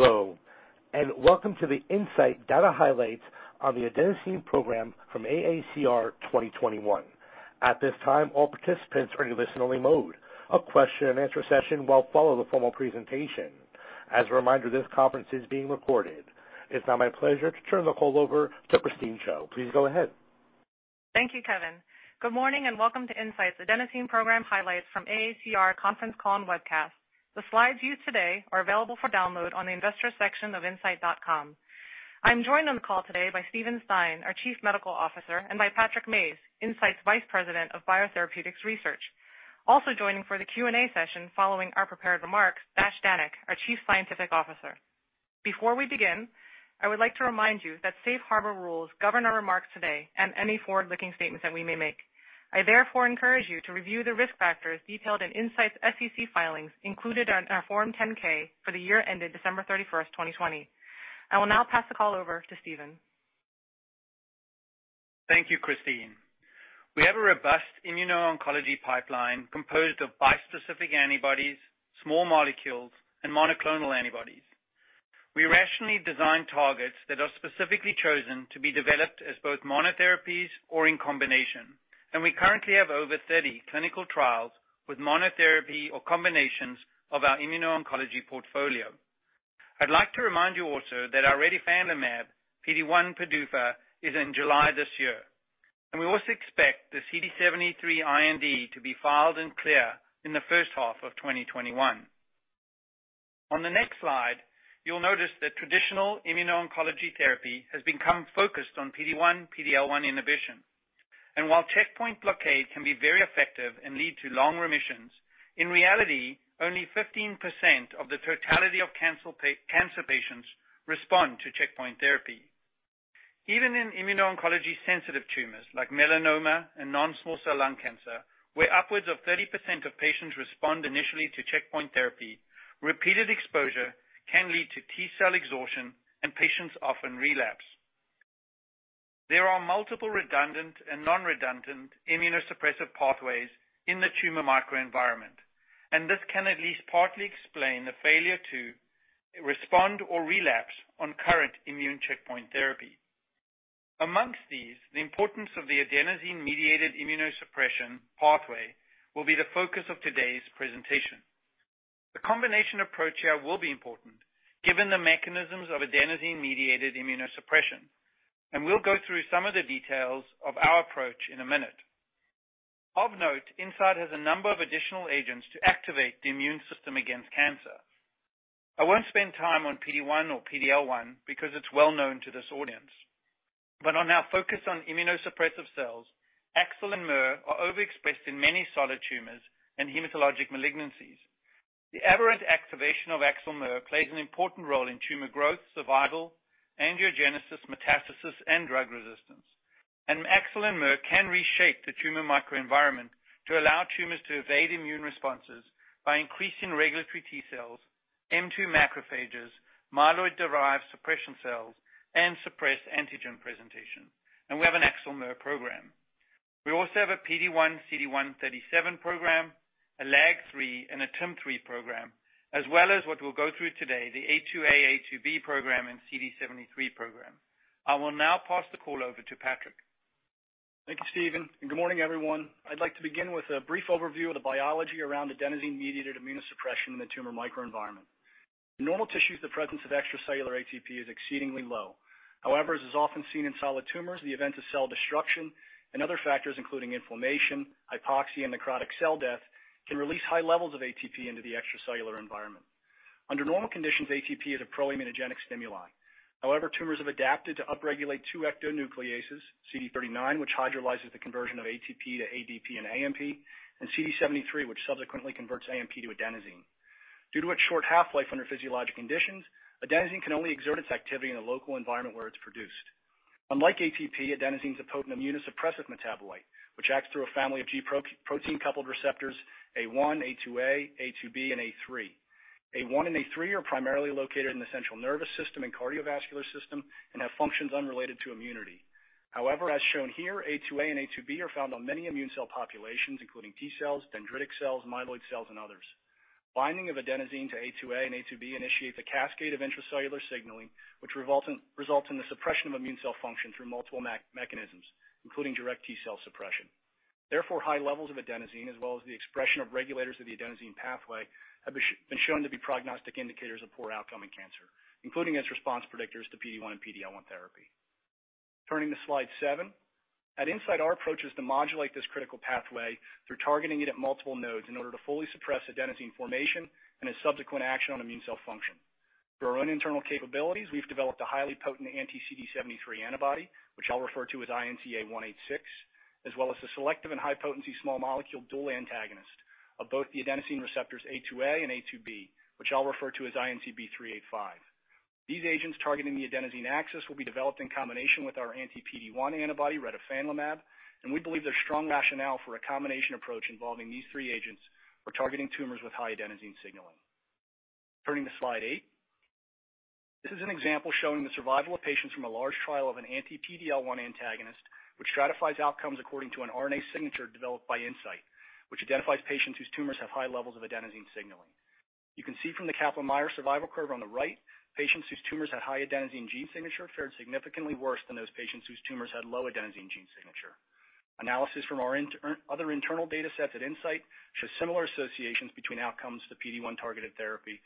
Hello, and welcome to the Incyte Data Highlights on the Adenosine Program from AACR 2021. It's now my pleasure to turn the call over to Christine Chiou. Please go ahead. Thank you, Kevin. Good morning and welcome to Incyte's Adenosine Program Highlights from AACR conference call and webcast. The slides used today are available for download on the investor section of incyte.com. I'm joined on the call today by Steven Stein, our Chief Medical Officer, and by Patrick Mayes, Incyte's Vice President of Biotherapeutics Research. Also joining for the Q&A session following our prepared remarks, Dash Dhanak, our Chief Scientific Officer. Before we begin, I would like to remind you that safe harbor rules govern our remarks today and any forward-looking statements that we may make. I therefore encourage you to review the risk factors detailed in Incyte's SEC filings, included in our Form 10-K for the year ended December 31st, 2020. I will now pass the call over to Steven. Thank you, Christine. We have a robust immuno-oncology pipeline composed of bispecific antibodies, small molecules, and monoclonal antibodies. We rationally design targets that are specifically chosen to be developed as both monotherapies or in combination. We currently have over 30 clinical trials with monotherapy or combinations of our immuno-oncology portfolio. I'd like to remind you also that our retifanlimab PD-1 PDUFA is in July this year, and we also expect the CD73 IND to be filed and clear in the first half of 2021. On the next slide, you'll notice that traditional immuno-oncology therapy has become focused on PD-1, PD-L1 inhibition. While checkpoint blockade can be very effective and lead to long remissions, in reality, only 15% of the totality of cancer patients respond to checkpoint therapy. Even in immuno-oncology sensitive tumors like melanoma and non-small cell lung cancer, where upwards of 30% of patients respond initially to checkpoint therapy, repeated exposure can lead to T cell exhaustion and patients often relapse. There are multiple redundant and non-redundant immunosuppressive pathways in the tumor microenvironment, and this can at least partly explain the failure to respond or relapse on current immune checkpoint therapy. Amongst these, the importance of the adenosine-mediated immunosuppression pathway will be the focus of today's presentation. The combination approach here will be important given the mechanisms of adenosine-mediated immunosuppression, and we'll go through some of the details of our approach in a minute. Of note, Incyte has a number of additional agents to activate the immune system against cancer. I won't spend time on PD-1 or PD-L1 because it's well known to this audience. On our focus on immunosuppressive cells, AXL and Mer are overexpressed in many solid tumors and hematologic malignancies. The aberrant activation of AXL/Mer plays an important role in tumor growth, survival, angiogenesis, metastasis, and drug resistance. AXL and Mer can reshape the tumor microenvironment to allow tumors to evade immune responses by increasing regulatory T cells, M2 macrophages, myeloid-derived suppressor cells, and suppressed antigen presentation. We have an AXL/Mer program. We also have a PD-1 / CD137 program, a LAG-3, and a TIM-3 program, as well as what we'll go through today, the A2A / A2B program and CD73 program. I will now pass the call over to Patrick. Thank you, Steven, good morning, everyone. I'd like to begin with a brief overview of the biology around adenosine-mediated immunosuppression in the tumor microenvironment. In normal tissues, the presence of extracellular ATP is exceedingly low. As is often seen in solid tumors, the event of cell destruction and other factors, including inflammation, hypoxia, and necrotic cell death, can release high levels of ATP into the extracellular environment. Under normal conditions, ATP is a pro-immunogenic stimuli. Tumors have adapted to upregulate two ectonucleotidases, CD39, which hydrolyzes the conversion of ATP to ADP and AMP, and CD73, which subsequently converts AMP to adenosine. Due to its short half-life under physiologic conditions, adenosine can only exert its activity in the local environment where it's produced. Unlike ATP, adenosine's a potent immunosuppressive metabolite, which acts through a family of G protein-coupled receptors, A1, A2A, A2B, and A3. A1 and A3 are primarily located in the central nervous system and cardiovascular system and have functions unrelated to immunity. As shown here, A2A and A2B are found on many immune cell populations, including T cells, dendritic cells, myeloid cells, and others. Binding of adenosine to A2A and A2B initiate the cascade of intracellular signaling, which results in the suppression of immune cell function through multiple mechanisms, including direct T cell suppression. High levels of adenosine, as well as the expression of regulators of the adenosine pathway, have been shown to be prognostic indicators of poor outcome in cancer, including as response predictors to PD-1 and PD-L1 therapy. Turning to slide seven. At Incyte, our approach is to modulate this critical pathway through targeting it at multiple nodes in order to fully suppress adenosine formation and its subsequent action on immune cell function. Through our own internal capabilities, we've developed a highly potent anti-CD73 antibody, which I'll refer to as INCA00186, as well as the selective and high potency small molecule dual antagonist of both the adenosine receptors A2A and A2B, which I'll refer to as INCB106385. These agents targeting the adenosine axis will be developed in combination with our anti-PD-1 antibody, retifanlimab, and we believe there's strong rationale for a combination approach involving these three agents for targeting tumors with high adenosine signaling. Turning to slide eight. This is an example showing the survival of patients from a large trial of an anti-PD-L1 antagonist, which stratifies outcomes according to an RNA signature developed by Incyte, which identifies patients whose tumors have high levels of adenosine signaling. You can see from the Kaplan-Meier survival curve on the right, patients whose tumors had high adenosine gene signature fared significantly worse than those patients whose tumors had low adenosine gene signature. Analysis from our other internal data sets at Incyte shows similar associations between outcomes to PD-1 targeted therapy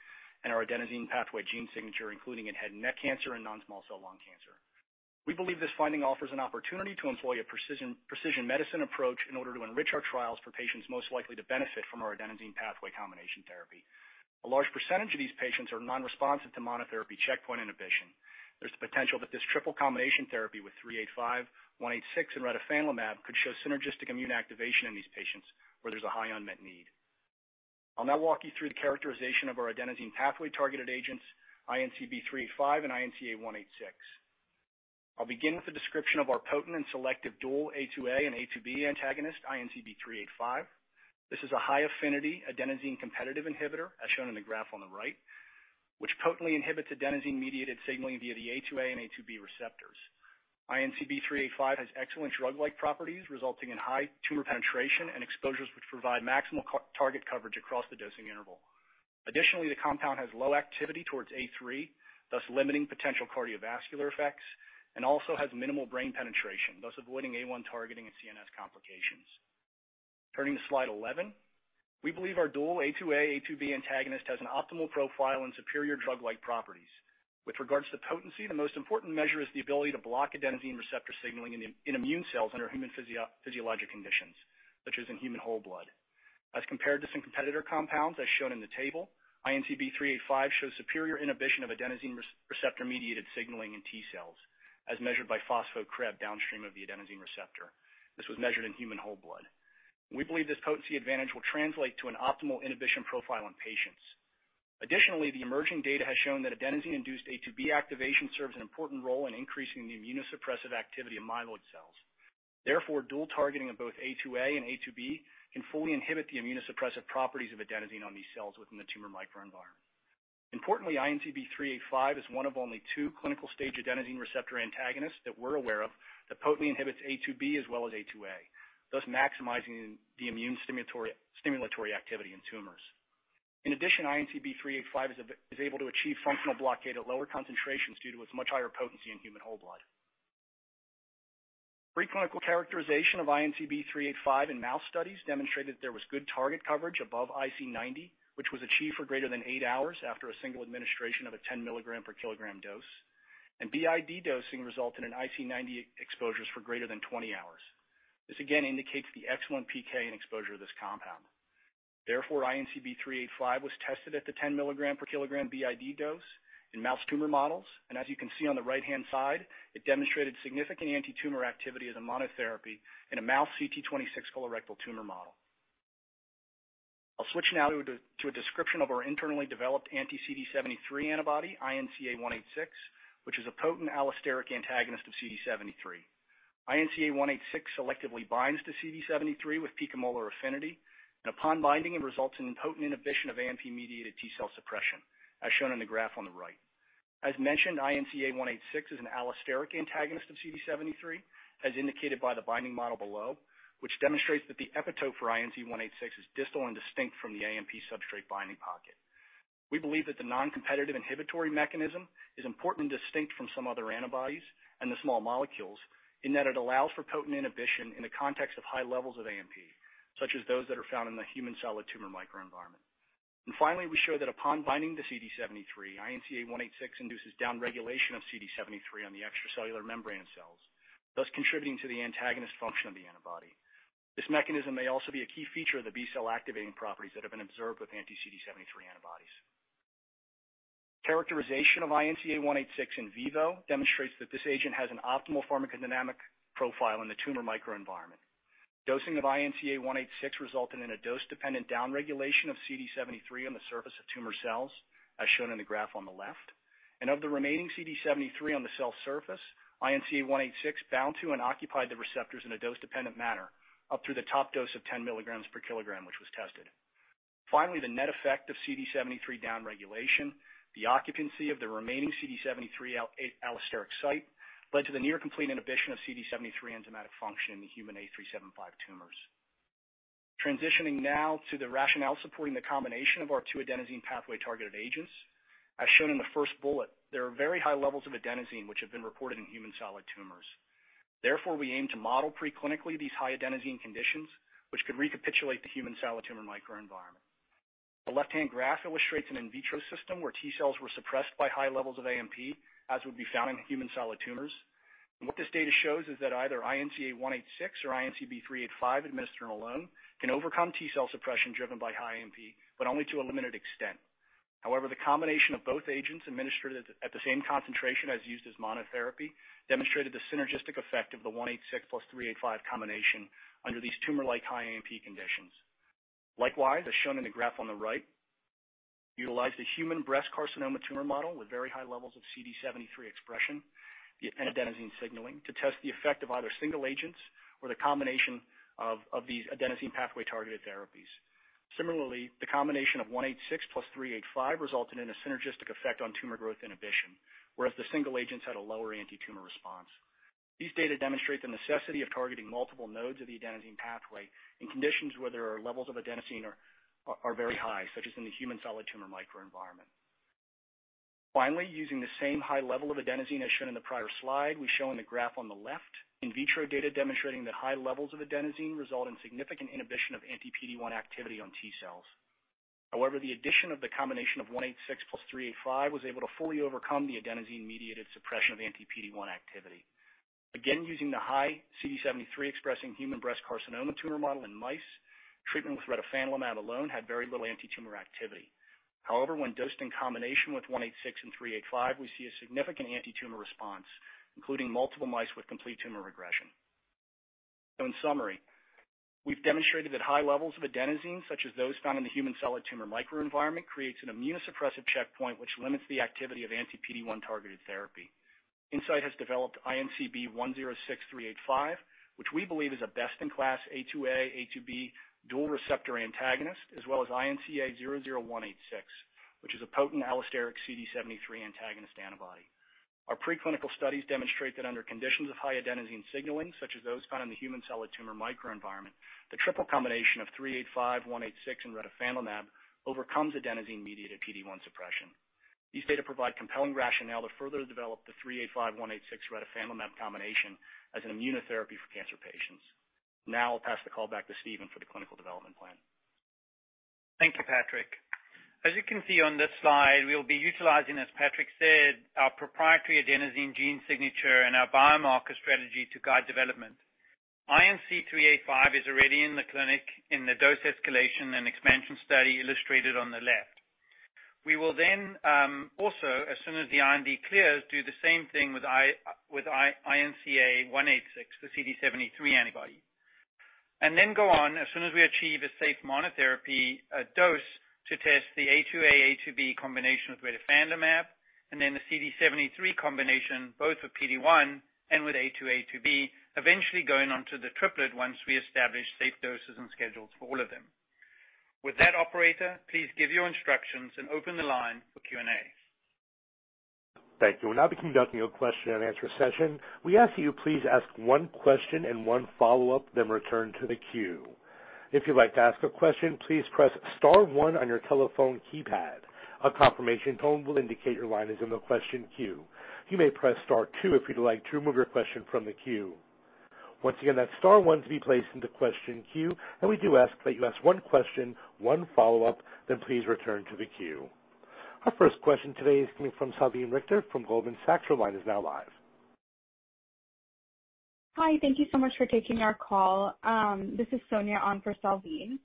and our adenosine pathway gene signature, including in head and neck cancer and non-small cell lung cancer. We believe this finding offers an opportunity to employ a precision medicine approach in order to enrich our trials for patients most likely to benefit from our adenosine pathway combination therapy. A large percentage of these patients are non-responsive to monotherapy checkpoint inhibition. There's the potential that this triple combination therapy with 385, 186, and retifanlimab could show synergistic immune activation in these patients where there's a high unmet need. I'll now walk you through the characterization of our adenosine pathway targeted agents, INCB106385 and INCA00186. I'll begin with a description of our potent and selective dual A2A and A2B antagonist, INCB106385. This is a high-affinity adenosine competitive inhibitor, as shown in the graph on the right, which potently inhibits adenosine-mediated signaling via the A2A and A2B receptors. INCB106385 has excellent drug-like properties resulting in high tumor penetration and exposures which provide maximal target coverage across the dosing interval. Additionally, the compound has low activity towards A3, thus limiting potential cardiovascular effects, and also has minimal brain penetration, thus avoiding A1 targeting and CNS complications. Turning to slide 11. We believe our dual A2A/A2B antagonist has an optimal profile and superior drug-like properties. With regards to potency, the most important measure is the ability to block adenosine receptor signaling in immune cells under human physiologic conditions, such as in human whole blood. As compared to some competitor compounds, as shown in the table, INCB106385 shows superior inhibition of adenosine receptor-mediated signaling in T cells, as measured by phospho-CREB downstream of the adenosine receptor. This was measured in human whole blood. We believe this potency advantage will translate to an optimal inhibition profile in patients. Additionally, the emerging data has shown that adenosine-induced A2B activation serves an important role in increasing the immunosuppressive activity of myeloid cells. Therefore, dual targeting of both A2A and A2B can fully inhibit the immunosuppressive properties of adenosine on these cells within the tumor microenvironment. Importantly, INCB106385 is one of only two clinical-stage adenosine receptor antagonists that we're aware of that potently inhibits A2B as well as A2A, thus maximizing the immune stimulatory activity in tumors. In addition, INCB106385 is able to achieve functional blockade at lower concentrations due to its much higher potency in human whole blood. Preclinical characterization of INCB106385 in mouse studies demonstrated there was good target coverage above IC90, which was achieved for greater than eight hours after a single administration of a 10 mg/kg dose. BID dosing resulted in IC90 exposures for greater than 20 hours. This again indicates the excellent PK and exposure of this compound. Therefore, INCB106385 was tested at the 10 mg/kg BID dose in mouse tumor models, and as you can see on the right-hand side, it demonstrated significant antitumor activity as a monotherapy in a mouse CT26 colorectal tumor model. I'll switch now to a description of our internally developed anti-CD73 antibody, INCA186, which is a potent allosteric antagonist of CD73. INCA186 selectively binds to CD73 with picomolar affinity, and upon binding, it results in potent inhibition of AMP-mediated T cell suppression. As shown in the graph on the right. As mentioned, INCA186 is an allosteric antagonist of CD73, as indicated by the binding model below, which demonstrates that the epitope for INCA186 is distal and distinct from the AMP substrate binding pocket. We believe that the non-competitive inhibitory mechanism is important and distinct from some other antibodies and the small molecules in that it allows for potent inhibition in the context of high levels of AMP, such as those that are found in the human solid tumor microenvironment. Finally, we show that upon binding to CD73, INCA00186 induces downregulation of CD73 on the extracellular membrane cells, thus contributing to the antagonist function of the antibody. This mechanism may also be a key feature of the B-cell activating properties that have been observed with anti-CD73 antibodies. Characterization of INCA00186 in vivo demonstrates that this agent has an optimal pharmacodynamic profile in the tumor microenvironment. Dosing of INCA00186 resulted in a dose-dependent downregulation of CD73 on the surface of tumor cells. As shown in the graph on the left, and of the remaining CD73 on the cell surface, INCA00186 bound to and occupied the receptors in a dose-dependent manner, up through the top dose of 10 milligrams per kilogram, which was tested. Finally, the net effect of CD73 downregulation, the occupancy of the remaining CD73 allosteric site, led to the near complete inhibition of CD73 enzymatic function in the human A375 tumors. Transitioning now to the rationale supporting the combination of our two adenosine pathway targeted agents. As shown in the first bullet, there are very high levels of adenosine which have been reported in human solid tumors. Therefore, we aim to model preclinically these high adenosine conditions, which could recapitulate the human solid tumor microenvironment. The left-hand graph illustrates an in vitro system where T cells were suppressed by high levels of AMP, as would be found in human solid tumors. What this data shows is that either INCA00186 or INCB106385 administered alone can overcome T cell suppression driven by high AMP, but only to a limited extent. However, the combination of both agents administered at the same concentration as used as monotherapy demonstrated the synergistic effect of the 186 plus 385 combination under these tumor-like high AMP conditions. Likewise, as shown in the graph on the right, utilize the human breast carcinoma tumor model with very high levels of CD73 expression and adenosine signaling to test the effect of either single agents or the combination of these adenosine pathway targeted therapies. Similarly, the combination of 186 plus 385 resulted in a synergistic effect on tumor growth inhibition, whereas the single agents had a lower anti-tumor response. These data demonstrate the necessity of targeting multiple nodes of the adenosine pathway in conditions where there are levels of adenosine are very high, such as in the human solid tumor microenvironment. Finally, using the same high level of adenosine as shown in the prior slide, we show on the graph on the left in vitro data demonstrating that high levels of adenosine result in significant inhibition of anti-PD-1 activity on T cells. The addition of the combination of 186 plus 385 was able to fully overcome the adenosine-mediated suppression of anti-PD-1 activity. Using the high CD73-expressing human breast carcinoma tumor model in mice, treatment with retifanlimab alone had very little anti-tumor activity. When dosed in combination with 186 and 385, we see a significant anti-tumor response, including multiple mice with complete tumor regression. In summary, we've demonstrated that high levels of adenosine, such as those found in the human solid tumor microenvironment, creates an immunosuppressive checkpoint which limits the activity of anti-PD-1 targeted therapy. Incyte has developed INCB106385, which we believe is a best-in-class A2A/A2B dual receptor antagonist, as well as INCA00186, which is a potent allosteric CD73 antagonist antibody. Our preclinical studies demonstrate that under conditions of high adenosine signaling, such as those found in the human solid tumor microenvironment, the triple combination of 385, 186, and retifanlimab overcomes adenosine-mediated PD-1 suppression. These data provide compelling rationale to further develop the 385/186 retifanlimab combination as an immunotherapy for cancer patients. Now I'll pass the call back to Steven for the clinical development plan. Thank you, Patrick. As you can see on this slide, we will be utilizing, as Patrick said, our proprietary adenosine gene signature and our biomarker strategy to guide development. INCB106385 is already in the clinic in the dose escalation and expansion study illustrated on the left. We will also, as soon as the IND clears, do the same thing with INCA00186, the CD73 antibody. We will go on as soon as we achieve a safe monotherapy dose to test the A2A/A2B combination of retifanlimab and then the CD73 combination, both with PD-1 and with A2A/A2B, eventually going on to the triplet once we establish safe doses and schedules for all of them. With that, operator, please give your instructions and open the line for Q&A. Thank you. We'll now be conducting a question-and-answer session. We ask that you please ask one question and one follow-up, then return to the queue. If you'd like to ask a question, please press star one on your telephone keypad. A confirmation tone will indicate your line is in the question queue. You may press star two if you'd like to remove your question from the queue. Once again, that's star one to be placed into question queue, and we do ask that you ask one question, one follow-up, then please return to the queue. Our first question today is coming from Salveen Richter from Goldman Sachs. Your line is now live. Hi. Thank you so much for taking our call. This is Sonia on for Salveen.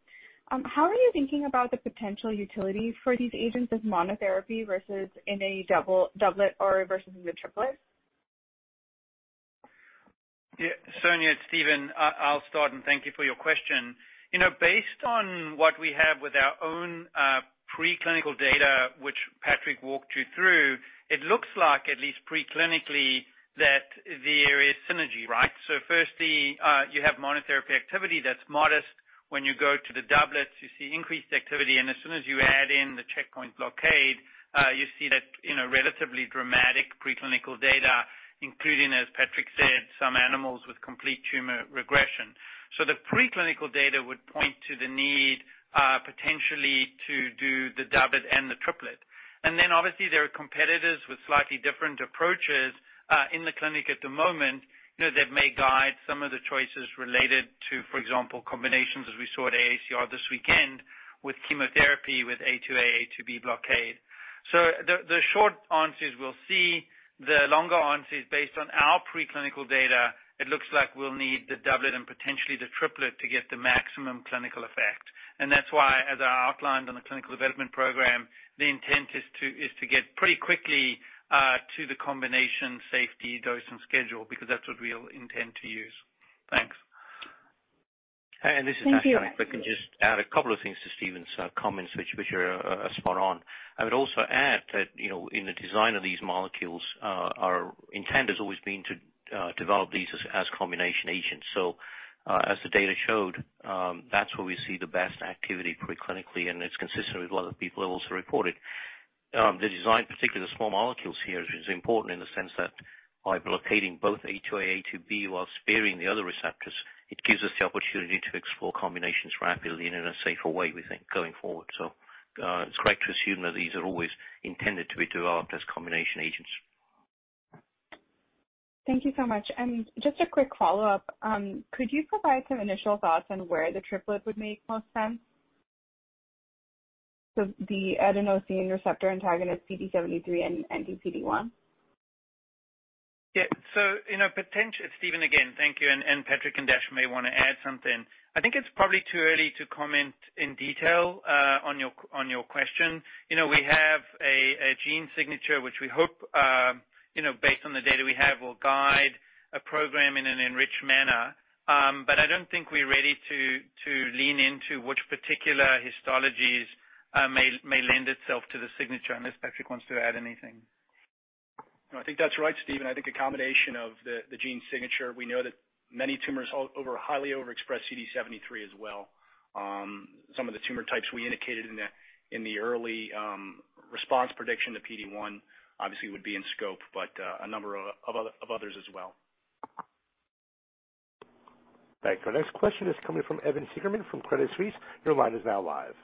How are you thinking about the potential utility for these agents as monotherapy versus in a doublet or versus in the triplet? Yeah. Sonia, it's Steven. I'll start. Thank you for your question. Based on what we have with our own preclinical data, which Patrick walked you through, it looks like at least preclinically, that there is synergy. Firstly, you have monotherapy activity that's modest. When you go to the doublets, you see increased activity, and as soon as you add in the checkpoint blockade, you see that in a relatively dramatic preclinical data, including, as Patrick said, some animals with complete tumor regression. The preclinical data would point to the need, potentially to do the doublet and the triplet. Obviously there are competitors with slightly different approaches, in the clinic at the moment, that may guide some of the choices related to, for example, combinations as we saw at AACR this weekend with chemotherapy, with A2A/A2B blockade. The short answer is we'll see. The longer answer is based on our preclinical data, it looks like we'll need the doublet and potentially the triplet to get the maximum clinical effect. That's why, as I outlined on the clinical development program, the intent is to get pretty quickly to the combination safety dose and schedule, because that's what we'll intend to use. Thanks. This is Patrick. Thank you. If I can just add a couple of things to Steven's comments, which are spot on. I would also add that in the design of these molecules, our intent has always been to develop these as combination agents. As the data showed, that's where we see the best activity preclinically, and it's consistent with what other people have also reported. The design, particularly the small molecules here, is important in the sense that by blockading both A2A/A2B while sparing the other receptors, it gives us the opportunity to explore combinations rapidly and in a safer way. We think, going forward. It's correct to assume that these are always intended to be developed as combination agents. Thank you so much. Just a quick follow-up. Could you provide some initial thoughts on where the triplet would make most sense? The adenosine receptor antagonist CD73 and anti-PD-1. Yeah. It's Steven again. Thank you, and Patrick and Dash may want to add something. I think it's probably too early to comment in detail on your question. We have a gene signature, which we hope, based on the data we have, will guide a program in an enriched manner. I don't think we're ready to lean into which particular histologies may lend itself to the signature, unless Patrick wants to add anything. I think that's right, Steven. I think a combination of the gene signature, we know that many tumors highly overexpress CD73 as well. Some of the tumor types we indicated in the early response prediction to PD-1 obviously would be in scope, a number of others as well. Thank you. Our next question is coming from Evan Seigerman from Credit Suisse. Your line is now live.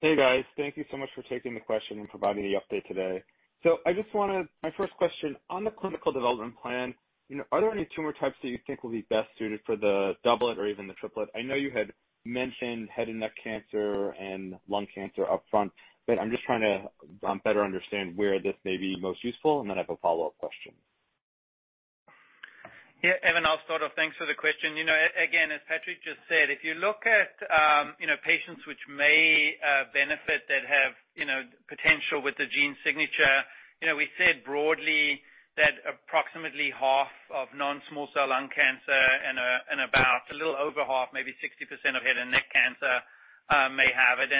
Hey, guys. Thank you so much for taking the question and providing the update today. My first question on the clinical development plan, are there any tumor types that you think will be best suited for the doublet or even the triplet? I know you had mentioned head and neck cancer and lung cancer up front, but I'm just trying to better understand where this may be most useful, and then I have a follow-up question. Yeah, Evan, I'll start off. Thanks for the question. Again, as Patrick just said, if you look at patients which may benefit that have potential with the gene signature. We said broadly that approximately half of non-small cell lung cancer and about a little over half, maybe 60% of head and neck cancer may have it.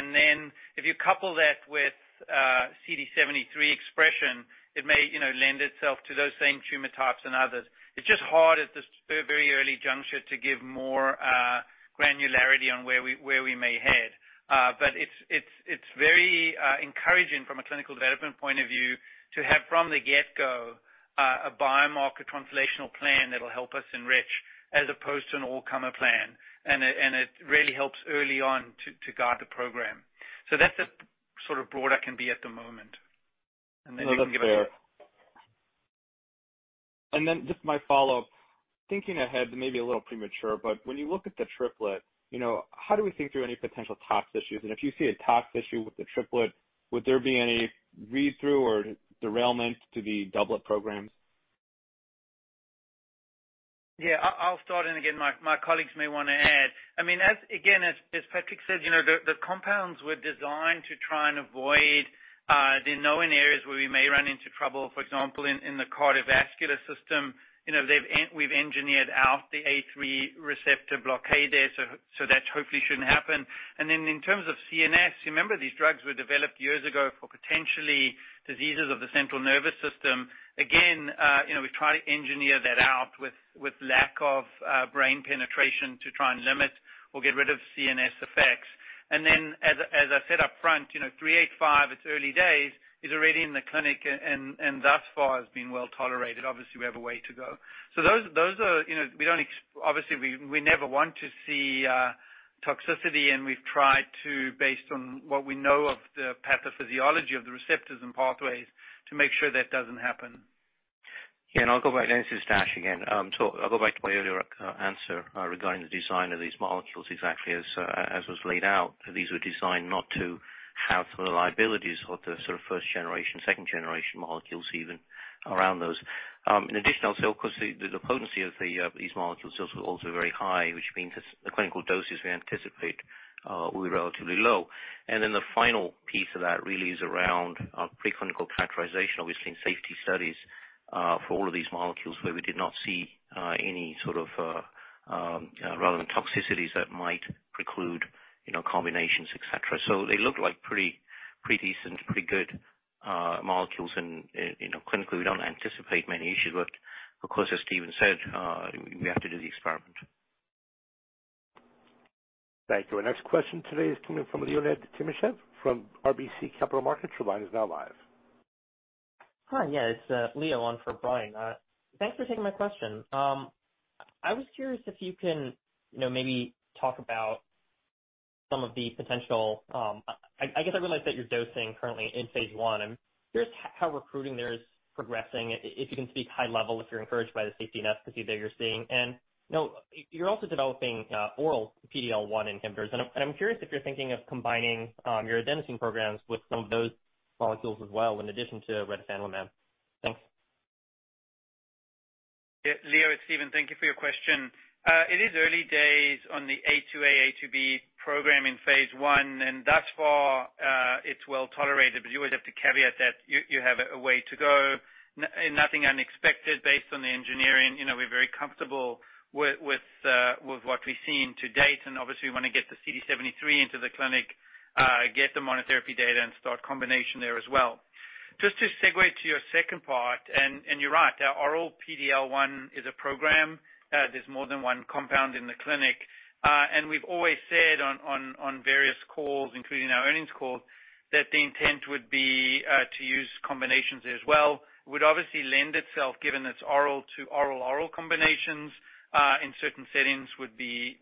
If you couple that with CD73 expression, it may lend itself to those same tumor types and others. It's just hard at this very early juncture to give more granularity on where we may head. It's very encouraging from a clinical development point of view to have from the get-go, a biomarker translational plan that'll help us enrich as opposed to an all-comer plan. It really helps early on to guide the program. That's as sort of broad I can be at the moment. No, that's fair. Then just my follow-up, thinking ahead, maybe a little premature, but when you look at the triplet, how do we think through any potential tox issues? If you see a tox issue with the triplet, would there be any read-through or derailment to the doublet programs? Yeah. I'll start, and again, my colleagues may want to add. As Patrick said, the compounds were designed to try and avoid the known areas where we may run into trouble, for example, in the cardiovascular system, we've engineered out the A3 receptor blockade there, so that hopefully shouldn't happen. In terms of CNS, remember, these drugs were developed years ago for potentially diseases of the central nervous system. We try to engineer that out with lack of brain penetration to try and limit or get rid of CNS effects. As I said up front, 385, it's early days, is already in the clinic, and thus far has been well-tolerated. Obviously, we have a way to go. Obviously, we never want to see toxicity, and we've tried to, based on what we know of the pathophysiology of the receptors and pathways, to make sure that doesn't happen. This is Dash again. I'll go back to my earlier answer regarding the design of these molecules exactly as was laid out. These were designed not to have some of the liabilities of the sort of first generation, second generation molecules even around those. In addition, I'll say, of course, the potency of these molecules is also very high, which means the clinical doses we anticipate will be relatively low. The final piece of that really is around our preclinical characterization, obviously in safety studies, for all of these molecules where we did not see any sort of relevant toxicities that might preclude combinations, etc. They look like pretty decent, pretty good molecules and clinically, we don't anticipate many issues. Of course, as Steven said, we have to do the experiment. Thank you. Our next question today is coming from Leonid Timashev from RBC Capital Markets. Your line is now live. Hi. Yeah, it's Leo on for Brian. Thanks for taking my question. I was curious if you can maybe talk about some of the potential I guess I realize that you're dosing currently in phase I, and curious how recruiting there is progressing, if you can speak high level, if you're encouraged by the safety and efficacy that you're seeing. You're also developing oral PD-L1 inhibitors, and I'm curious if you're thinking of combining your adenosine programs with some of those molecules as well, in addition to retifanlimab. Thanks. Yeah, Leo, it's Steven. Thank you for your question. It is early days on the A2A/A2B program in phase I, thus far, it's well-tolerated, you always have to caveat that you have a way to go. Nothing unexpected based on the engineering. We're very comfortable with what we've seen to date, obviously we want to get the CD73 into the clinic, get the monotherapy data, and start combination there as well. Just to segue to your second part, you're right, our oral PD-L1 is a program. There's more than one compound in the clinic. We've always said on various calls, including our earnings call, that the intent would be to use combinations there as well, would obviously lend itself, given its oral to oral combinations, in certain settings would be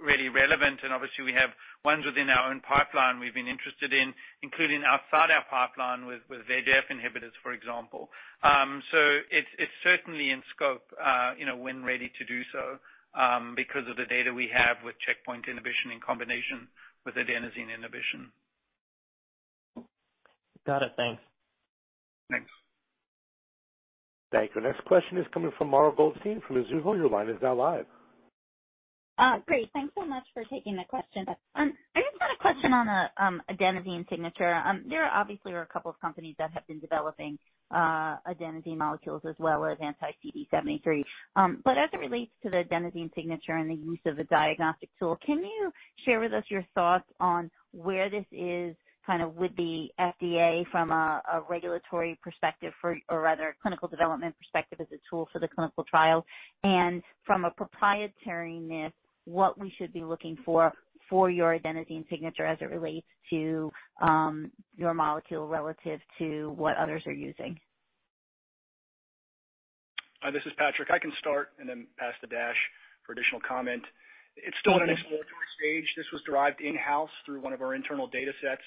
really relevant, and obviously we have ones within our own pipeline we've been interested in, including outside our pipeline with VEGF inhibitors, for example. It's certainly in scope when ready to do so because of the data we have with checkpoint inhibition in combination with adenosine inhibition. Got it. Thanks. Thanks. Thank you. Our next question is coming from Mara Goldstein from Mizuho. Your line is now live. Great. Thanks so much for taking the question. I just had a question on adenosine signature. There obviously are a couple of companies that have been developing adenosine molecules as well as anti-CD73. As it relates to the adenosine signature and the use of a diagnostic tool, can you share with us your thoughts on where this is kind of with the FDA from a regulatory perspective or rather clinical development perspective as a tool for the clinical trial, and from a proprietariness, what we should be looking for your adenosine signature as it relates to your molecule relative to what others are using. Hi, this is Patrick. I can start and then pass to Dash for additional comment. It's still in its laboratory stage. This was derived in-house through one of our internal data sets.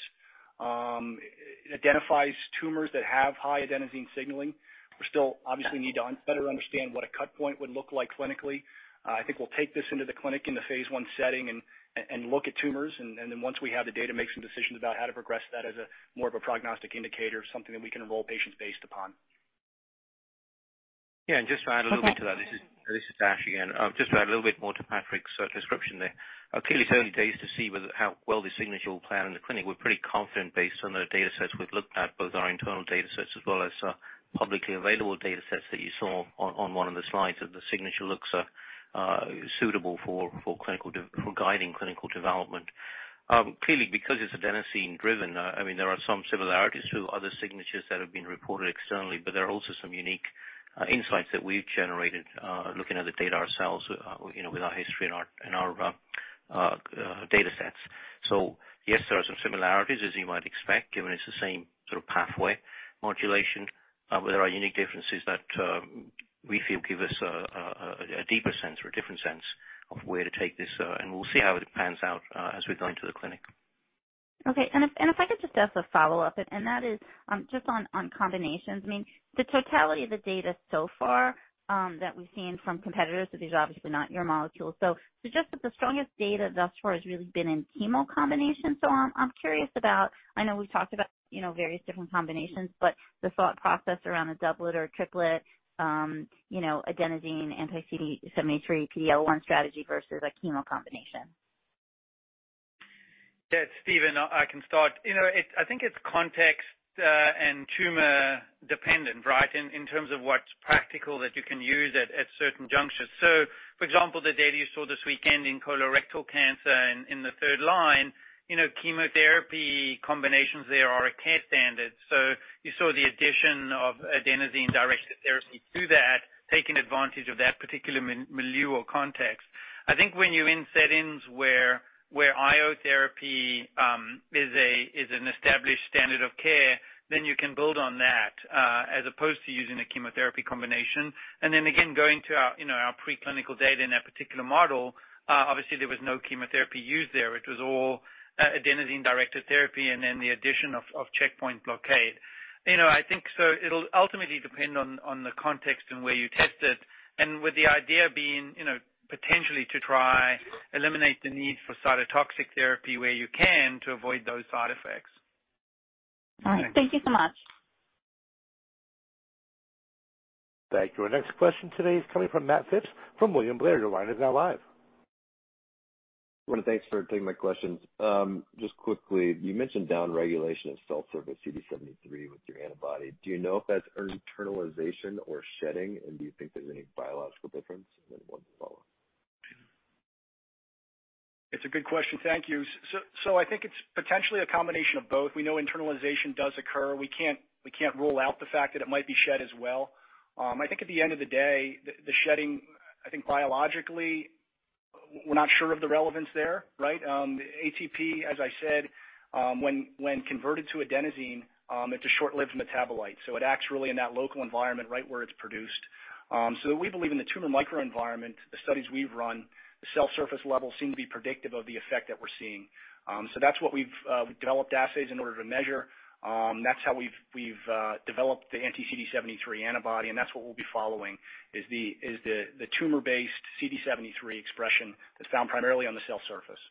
It identifies tumors that have high adenosine signaling. We still obviously need to better understand what a cut point would look like clinically. I think we'll take this into the clinic in the phase I setting and look at tumors, and then once we have the data, make some decisions about how to progress that as more of a prognostic indicator, something that we can enroll patients based upon. Just to add a little bit to that, this is Dash again. Just to add a little bit more to Patrick's description there. Clearly, it's early days to see how well this signature will play out in the clinic. We're pretty confident based on the data sets we've looked at, both our internal data sets as well as publicly available data sets that you saw on one of the slides, that the signature looks suitable for guiding clinical development. Clearly, because it's adenosine-driven, there are some similarities to other signatures that have been reported externally, but there are also some unique insights that we've generated, looking at the data ourselves with our history and our data sets. Yes, there are some similarities, as you might expect, given it's the same sort of pathway modulation. There are unique differences that we feel give us a deeper sense or a different sense of where to take this, and we'll see how it pans out as we go into the clinic. Okay. If I could just ask a follow-up, and that is just on combinations. The totality of the data so far that we've seen from competitors, so these are obviously not your molecules. Suggest that the strongest data thus far has really been in chemo combination, so I'm curious about, I know we've talked about various different combinations, but the thought process around a doublet or a triplet, adenosine anti CD73 PD-L1 strategy versus a chemo combination. Yeah. Steven, I can start. I think it's context, and tumor dependent, right? In terms of what's practical that you can use at certain junctures. For example, the data you saw this weekend in colorectal cancer and in the third line, chemotherapy combinations there are a care standard. You saw the addition of adenosine-directed therapy to that, taking advantage of that particular milieu or context. I think when you're in settings where IO therapy is an established standard of care, then you can build on that, as opposed to using a chemotherapy combination. Then again, going to our preclinical data in that particular model, obviously there was no chemotherapy used there. It was all adenosine-directed therapy and then the addition of checkpoint blockade. I think it'll ultimately depend on the context and where you test it, and with the idea being potentially to try eliminate the need for cytotoxic therapy where you can to avoid those side effects. All right. Thank you so much. Thank you. Our next question today is coming from Matt Phipps from William Blair. Your line is now live. I want to thank you for taking my questions. Just quickly, you mentioned downregulation of cell surface CD73 with your antibody. Do you know if that's internalization or shedding, and do you think there's any biological difference? One follow-up. It's a good question. Thank you. I think it's potentially a combination of both. We know internalization does occur. We can't rule out the fact that it might be shed as well. I think at the end of the day, the shedding, I think biologically we're not sure of the relevance there, right? The ATP, as I said, when converted to adenosine, it's a short-lived metabolite, so it acts really in that local environment right where it's produced. We believe in the tumor microenvironment, the studies we've run, the cell surface levels seem to be predictive of the effect that we're seeing. That's what we've developed assays in order to measure. That's how we've developed the anti-CD73 antibody, and that's what we'll be following is the tumor-based CD73 expression that's found primarily on the cell surface.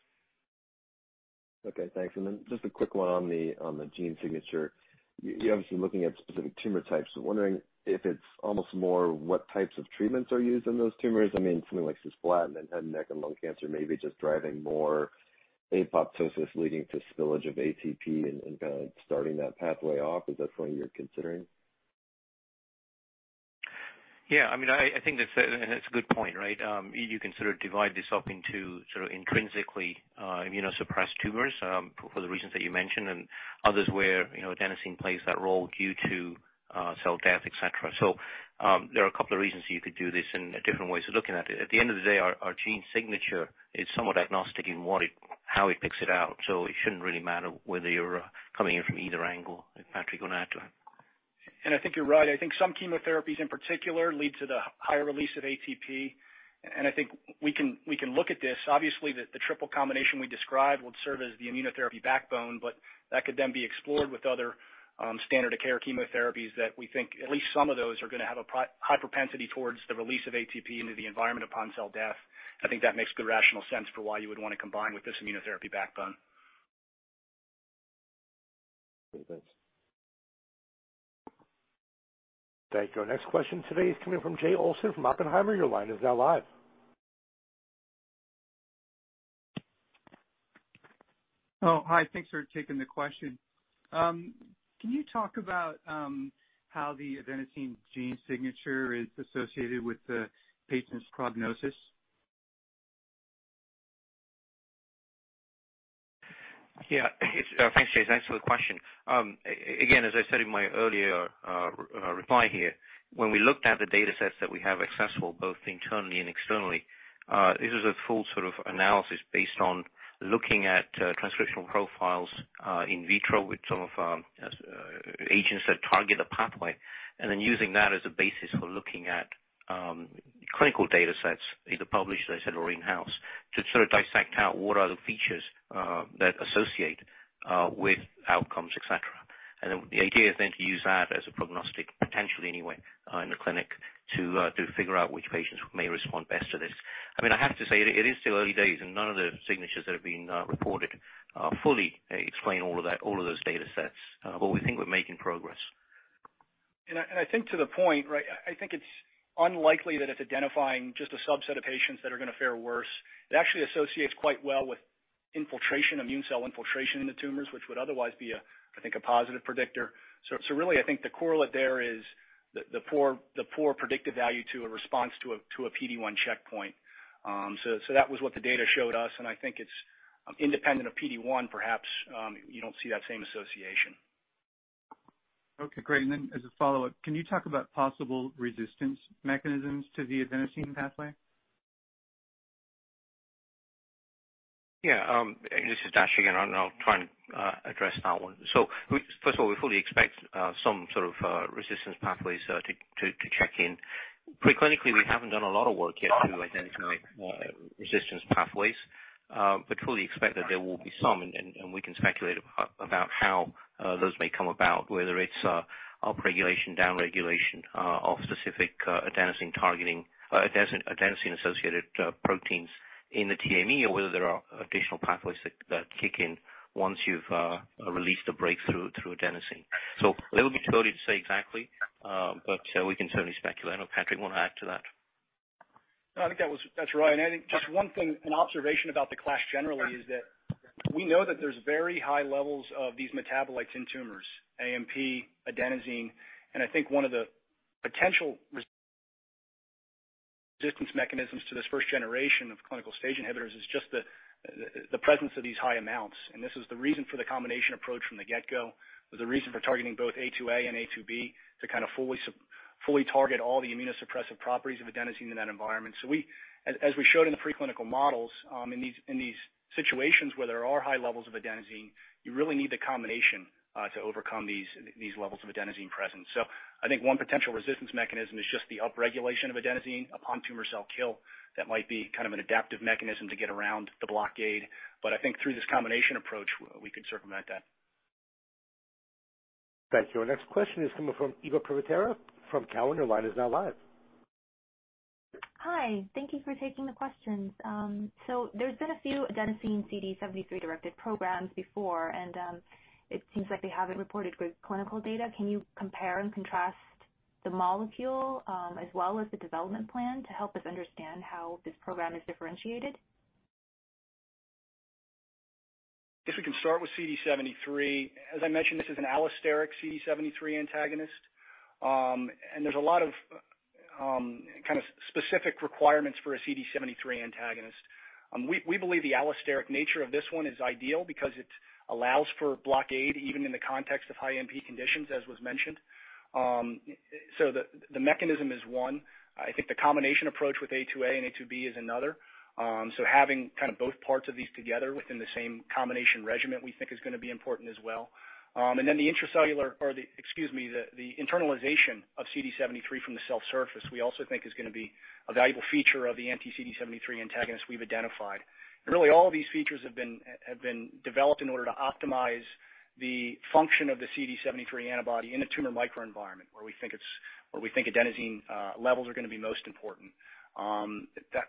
Okay, thanks. Just a quick one on the gene signature. You're obviously looking at specific tumor types. I'm wondering if it's almost more what types of treatments are used in those tumors. Something like cisplatin in head, neck, and lung cancer may be just driving more apoptosis, leading to spillage of ATP and kind of starting that pathway off. Is that something you're considering? Yeah. I think that's a good point, right? You can sort of divide this up into sort of intrinsically immunosuppressed tumors, for the reasons that you mentioned, and others where adenosine plays that role due to cell death, etc. There are a couple of reasons you could do this and different ways of looking at it. At the end of the day, our gene signature is somewhat agnostic in how it picks it out, so it shouldn't really matter whether you're coming in from either angle. Patrick can add to that. I think you're right. I think some chemotherapies in particular lead to the higher release of ATP, and I think we can look at this. Obviously, the triple combination we described would serve as the immunotherapy backbone, but that could then be explored with other standard of care chemotherapies that we think at least some of those are going to have a high propensity towards the release of ATP into the environment upon cell death. I think that makes good rational sense for why you would want to combine with this immunotherapy backbone. Okay, thanks. Thank you. Our next question today is coming from Jay Olson from Oppenheimer. Your line is now live. Hi. Thanks for taking the question. Can you talk about how the adenosine gene signature is associated with the patient's prognosis? Yeah. Thanks, Jay. Thanks for the question. Again, as I said in my earlier reply here, when we looked at the data sets that we have accessible both internally and externally, this was a full sort of analysis based on looking at transcriptional profiles in vitro with some of our agents that target a pathway, and then using that as a basis for looking at clinical data sets, either published, as I said, or in-house, to sort of dissect out what are the features that associate with outcomes, etc. The idea is then to use that as a prognostic, potentially anyway, in the clinic to figure out which patients may respond best to this. I have to say, it is still early days, and none of the signatures that have been reported fully explain all of those data sets. We think we're making progress. I think to the point, I think it's unlikely that it's identifying just a subset of patients that are going to fare worse. It actually associates quite well with immune cell infiltration in the tumors, which would otherwise be, I think, a positive predictor. Really, I think the correlate there is the poor predictive value to a response to a PD-1 checkpoint. That was what the data showed us, and I think it's independent of PD-1, perhaps, you don't see that same association. Okay, great. As a follow-up, can you talk about possible resistance mechanisms to the adenosine pathway? Yeah. This is Dash again. I'll try and address that one. First of all, we fully expect some sort of resistance pathways to check in. Pre-clinically, we haven't done a lot of work yet to identify resistance pathways. Fully expect that there will be some. We can speculate about how those may come about, whether it's upregulation, downregulation of specific adenosine associated proteins in the TME or whether there are additional pathways that kick in once you've released a breakthrough through adenosine. A little bit too early to say exactly. We can certainly speculate. I know Patrick want to add to that. No, I think that's right. I think just one thing, an observation about the class generally is that we know that there's very high levels of these metabolites in tumors, AMP, adenosine, and I think one of the potential resistance mechanisms to this first generation of clinical stage inhibitors is just the presence of these high amounts, and this is the reason for the combination approach from the get-go. It was the reason for targeting both A2A and A2B to kind of fully target all the immunosuppressive properties of adenosine in that environment. As we showed in the preclinical models, in these situations where there are high levels of adenosine, you really need the combination to overcome these levels of adenosine presence. I think one potential resistance mechanism is just the upregulation of adenosine upon tumor cell kill. That might be kind of an adaptive mechanism to get around the blockade. I think through this combination approach, we could circumvent that. Thank you. Our next question is coming from Eva Privitera from Cowen. Your line is now live. Hi. Thank you for taking the questions. There's been a few adenosine CD73-directed programs before, and it seems like they haven't reported great clinical data. Can you compare and contrast the molecule, as well as the development plan to help us understand how this program is differentiated? If we can start with CD73, as I mentioned, this is an allosteric CD73 antagonist. There's a lot of specific requirements for a CD73 antagonist. We believe the allosteric nature of this one is ideal because it allows for blockade even in the context of high AMP conditions, as was mentioned. The mechanism is one. I think the combination approach with A2A and A2B is another. Having both parts of these together within the same combination regimen, we think, is going to be important as well. The intracellular or the, excuse me, the internalization of CD73 from the cell surface, we also think is going to be a valuable feature of the anti-CD73 antagonist we've identified. Really, all of these features have been developed in order to optimize the function of the CD73 antibody in a tumor microenvironment, where we think adenosine levels are going to be most important.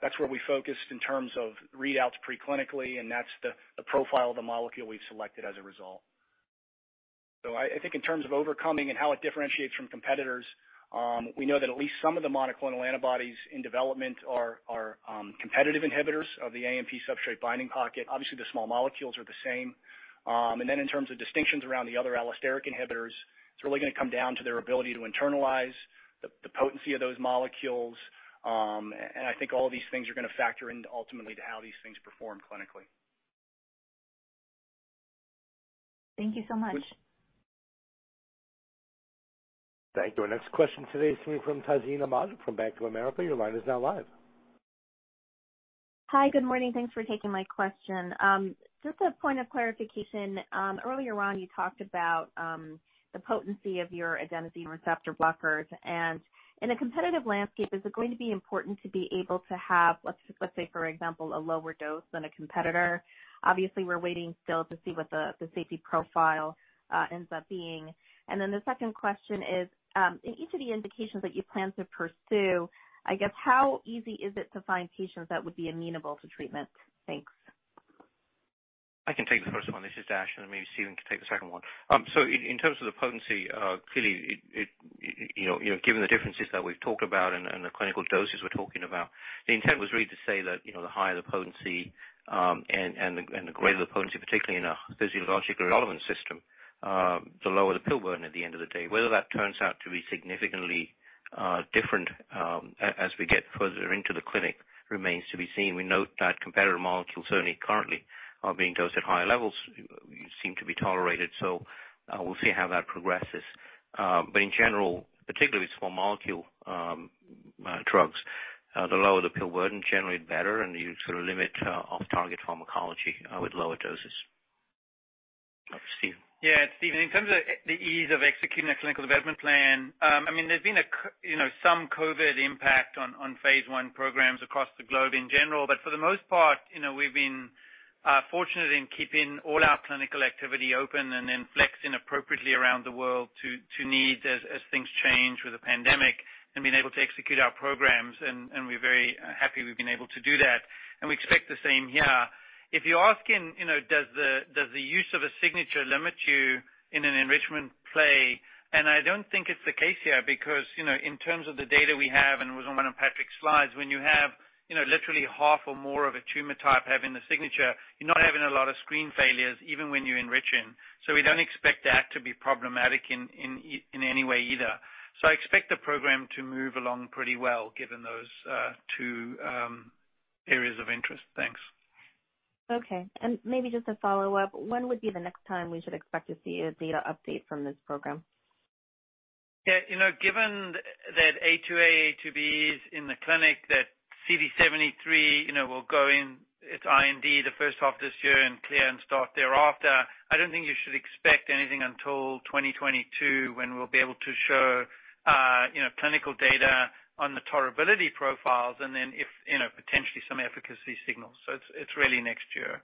That's where we focused in terms of readouts pre-clinically, that's the profile of the molecule we've selected as a result. I think in terms of overcoming and how it differentiates from competitors, we know that at least some of the monoclonal antibodies in development are competitive inhibitors of the AMP substrate binding pocket. Obviously, the small molecules are the same. Then in terms of distinctions around the other allosteric inhibitors, it's really going to come down to their ability to internalize the potency of those molecules. I think all of these things are going to factor in ultimately to how these things perform clinically. Thank you so much. Thank you. Our next question today is coming from Tazeen Ahmad from Bank of America. Your line is now live. Hi. Good morning. Thanks for taking my question. Just a point of clarification. Earlier on, you talked about the potency of your adenosine receptor blockers, and in a competitive landscape, is it going to be important to be able to have, let's say, for example, a lower dose than a competitor? Obviously, we're waiting still to see what the safety profile ends up being. Then the second question is, in each of the indications that you plan to pursue. I guess, how easy is it to find patients that would be amenable to treatment? Thanks. I can take the first one. This is Dash, and maybe Steven can take the second one. In terms of the potency, clearly given the differences that we've talked about and the clinical doses we're talking about, the intent was really to say that the higher the potency, and the greater the potency, particularly in a physiologically relevant system, the lower the pill burden at the end of the day. Whether that turns out to be significantly different as we get further into the clinic remains to be seen. We note that competitor molecules certainly currently are being dosed at higher levels, seem to be tolerated. We'll see how that progresses. In general, particularly with small molecule drugs, the lower the pill burden, generally better, and you sort of limit off-target pharmacology with lower doses. Over to Steven. Yeah. Steven, in terms of the ease of executing a clinical development plan, there's been some COVID impact on phase I programs across the globe in general. For the most part, we've been fortunate in keeping all our clinical activity open and then flexing appropriately around the world to needs as things change with the pandemic and being able to execute our programs. We're very happy we've been able to do that, and we expect the same here. If you're asking, does the use of a signature limit you in an enrichment play? I don't think it's the case here, because in terms of the data we have, and it was on one of Patrick's slides, when you have literally half or more of a tumor type having the signature, you're not having a lot of screen failures even when you're enriching. We don't expect that to be problematic in any way either. I expect the program to move along pretty well given those two areas of interest. Thanks. Okay. Maybe just a follow-up, when would be the next time we should expect to see a data update from this program? Given that A2A, A2B is in the clinic, that CD73 will go in its IND the first half of this year and clear and start thereafter, I don't think you should expect anything until 2022, when we'll be able to show clinical data on the tolerability profiles and then potentially some efficacy signals. It's really next year.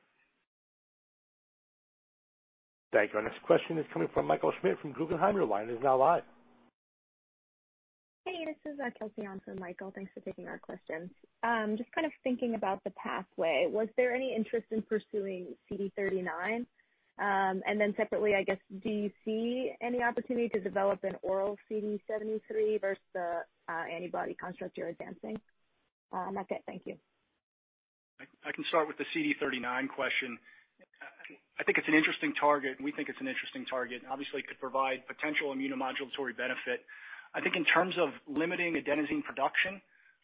Thank you. Our next question is coming from Michael Schmidt from Guggenheim. Your line is now live. Hey, this is Kelsey on for Michael, thanks for taking our questions. Just kind of thinking about the pathway, was there any interest in pursuing CD39? Separately, I guess, do you see any opportunity to develop an oral CD73 versus the antibody construct you're advancing? That's it. Thank you. I can start with the CD39 question. I think it's an interesting target, and we think it's an interesting target, and obviously could provide potential immunomodulatory benefit. I think in terms of limiting adenosine production,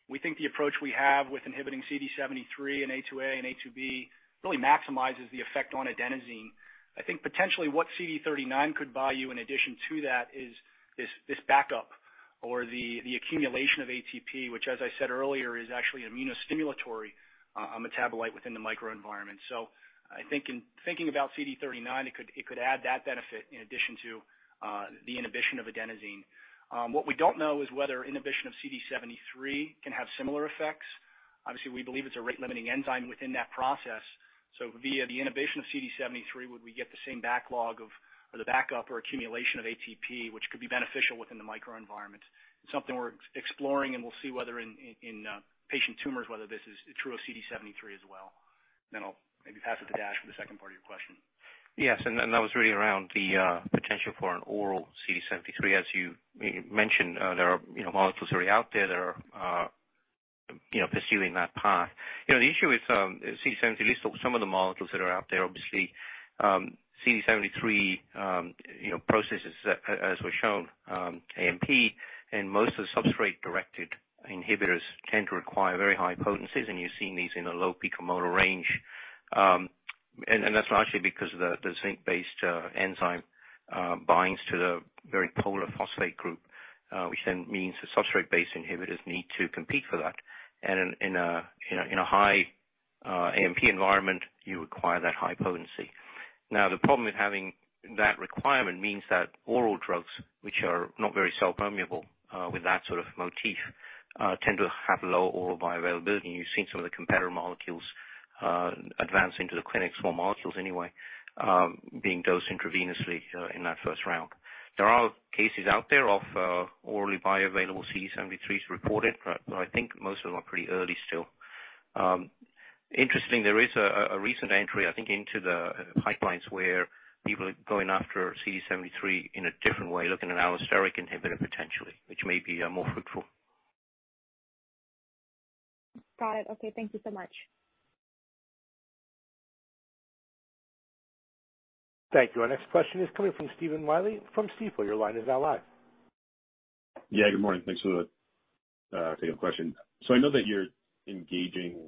we think the approach we have with inhibiting CD73 and A2A and A2B really maximizes the effect on adenosine. I think potentially what CD39 could buy you in addition to that is this backup or the accumulation of ATP, which as I said earlier, is actually an immunostimulatory metabolite within the microenvironment. I think in thinking about CD39, it could add that benefit in addition to the inhibition of adenosine. What we don't know is whether inhibition of CD73 can have similar effects. Obviously, we believe it's a rate-limiting enzyme within that process. Via the inhibition of CD73, would we get the same backlog of, or the backup or accumulation of ATP, which could be beneficial within the microenvironment? It's something we're exploring, and we'll see whether in patient tumors, whether this is true of CD73 as well. I'll maybe pass it to Dash for the second part of your question. Yes, that was really around the potential for an oral CD73. As you mentioned, there are molecules already out there that are pursuing that path. The issue with CD73, at least some of the molecules that are out there, obviously, CD73 processes, as was shown, AMP. Most of the substrate-directed inhibitors tend to require very high potencies. You're seeing these in the low picomolar range. That's largely because the zinc-based enzyme binds to the very polar phosphate group, which then means the substrate-based inhibitors need to compete for that. In a high AMP environment, you require that high potency. The problem with having that requirement means that oral drugs, which are not very cell permeable with that sort of motif, tend to have low oral bioavailability. You've seen some of the competitor molecules advancing to the clinics, or molecules anyway, being dosed intravenously in that first round. There are cases out there of orally bioavailable CD73s reported, but I think most of them are pretty early still. Interestingly, there is a recent entry, I think, into the pipelines where people are going after CD73 in a different way, looking at allosteric inhibitor potentially, which may be more fruitful. Got it. Okay. Thank you so much. Thank you. Our next question is coming from Stephen Willey from Stifel. Your line is now live. Yeah, good morning. Thanks for taking the question. I know that you're engaging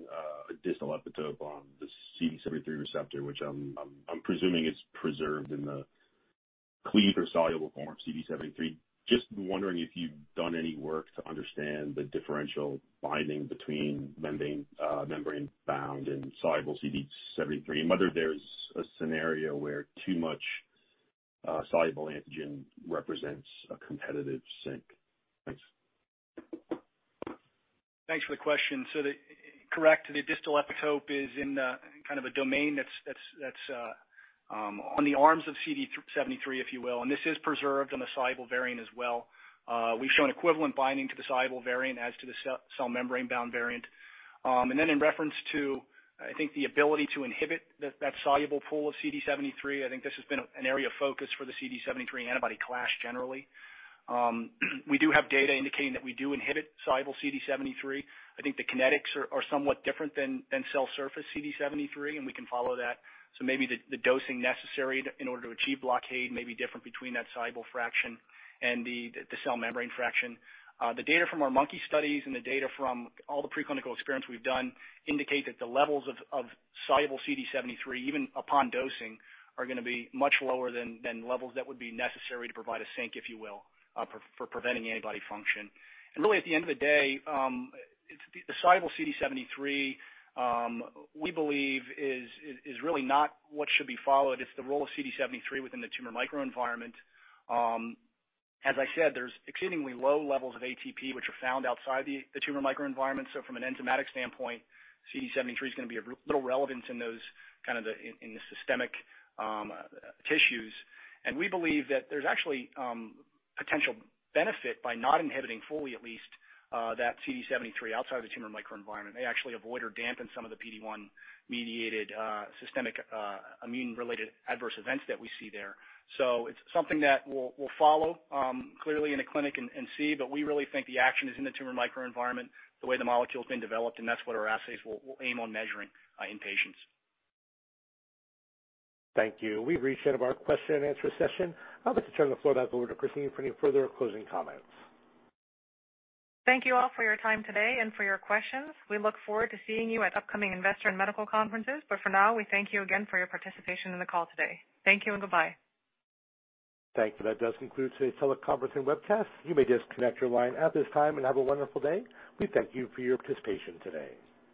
a distal epitope on the CD73 receptor, which I'm presuming is preserved in the cleaved or soluble form of CD73. Just wondering if you've done any work to understand the differential binding between membrane-bound and soluble CD73, and whether there's a scenario where too much soluble antigen represents a competitive sink. Thanks. Thanks for the question. Correct, the distal epitope is in kind of a domain that's on the arms of CD73, if you will, and this is preserved on the soluble variant as well. We've shown equivalent binding to the soluble variant as to the cell membrane-bound variant. In reference to, I think, the ability to inhibit that soluble pool of CD73, I think this has been an area of focus for the CD73 antibody class generally. We do have data indicating that we do inhibit soluble CD73. The kinetics are somewhat different than cell surface CD73, and we can follow that. Maybe the dosing necessary in order to achieve blockade may be different between that soluble fraction and the cell membrane fraction. The data from our monkey studies and the data from all the preclinical experiments we've done indicate that the levels of soluble CD73, even upon dosing, are going to be much lower than levels that would be necessary to provide a sink, if you will, for preventing antibody function. At the end of the day, the soluble CD73, we believe, is really not what should be followed. It's the role of CD73 within the tumor microenvironment. As I said, there's exceedingly low levels of ATP which are found outside the tumor microenvironment. From an enzymatic standpoint, CD73 is going to be of little relevance in the systemic tissues. We believe that there's actually potential benefit by not inhibiting fully at least, that CD73 outside of the tumor microenvironment. They actually avoid or dampen some of the PD-1 mediated systemic immune-related adverse events that we see there. It's something that we'll follow clearly in the clinic and see, but we really think the action is in the tumor microenvironment, the way the molecule's been developed, and that's what our assays will aim on measuring in patients. Thank you. We've reached the end of our question and answer session. I'd like to turn the floor back over to Christine for any further closing comments. Thank you all for your time today and for your questions. We look forward to seeing you at upcoming investor and medical conferences. For now, we thank you again for your participation in the call today. Thank you and goodbye. Thank you. That does conclude today's teleconference and webcast. You may disconnect your line at this time and have a wonderful day. We thank you for your participation today.